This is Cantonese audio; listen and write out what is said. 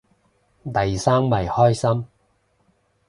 黎生咪開心